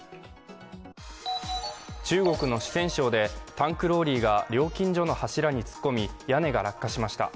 中国の四川省でタンクローリーが料金所の柱に突っ込み、屋根が落下しました。